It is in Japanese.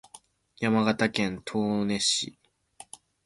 山形県東根市